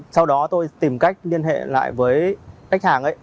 sau đó tôi tìm cách liên hệ lại với khách hàng